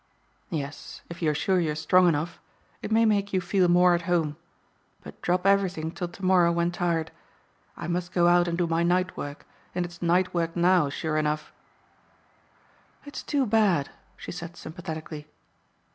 "Yes, if you are sure you're strong enough. It may make you feel more at home. But drop everything till tomorrow when tired. I must go out and do my night work, and it's night work now, sure enough " "It's too bad!" she said sympathetically.